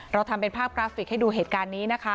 เราทำเป็นภาพกราฟิกให้ดูเหตุการณ์นี้นะคะ